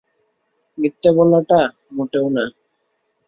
মিথ্যা বলাটা, মোটেও না।